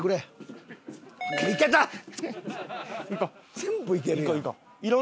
全部いけるやん。